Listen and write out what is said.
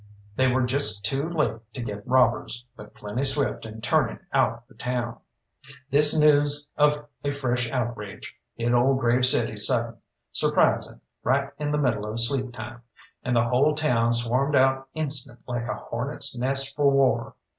They were just too late to get robbers, but plenty swift in turning out the town. This news of a fresh outrage hit old Grave City sudden, surprising, right in the middle of sleep time, and the whole town swarmed out instant like a hornets' nest for war.